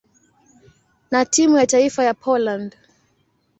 na timu ya taifa ya Poland.